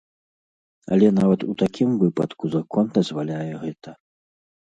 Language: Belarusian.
Але нават у такім выпадку закон дазваляе гэта.